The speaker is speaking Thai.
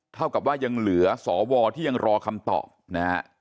เท่ากับว่ายังเหลือสวที่ยังรอคำตอบนะฮะ